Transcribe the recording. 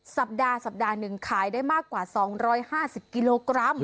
สัปดาห์สัปดาห์หนึ่งขายได้มากกว่า๒๕๐กิโลกรัม